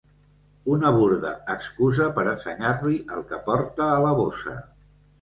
Una burda excusa per ensenyar-li el que porta a la bossa.